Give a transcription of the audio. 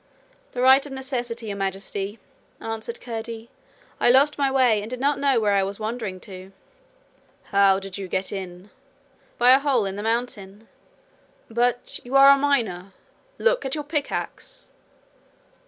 'The right of necessity, Your Majesty,' answered Curdie. 'I lost my way and did not know where I was wandering to.' 'How did you get in?' 'By a hole in the mountain.' 'But you are a miner! Look at your pickaxe!'